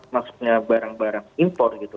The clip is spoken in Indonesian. maksudnya barang barang impor gitu